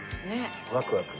ワクワク。